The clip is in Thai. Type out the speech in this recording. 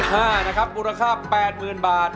เลขที่๕นะครับมูลค่า๘๐๐๐๐บาท